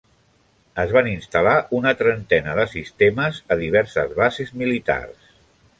Es van instal·lar una trentena de sistemes a diverses bases militars.